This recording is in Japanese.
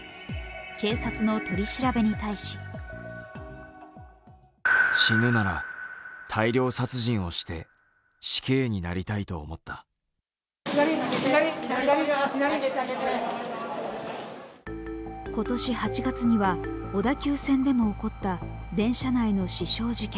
警察の取り調べに対し今年８月には小田急線でも起こった電車内の刺傷事件。